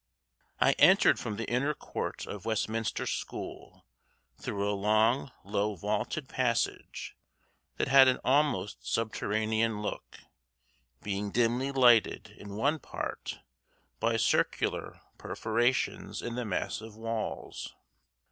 I entered from the inner court of Westminster School, through a long, low, vaulted passage that had an almost subterranean look, being dimly lighted in one part by circular perforations in the massive walls.